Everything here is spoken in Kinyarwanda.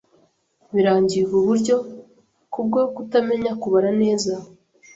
biringiye ubu buryo kubwo kutamenya kubara neza